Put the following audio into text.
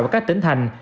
và các tỉnh thành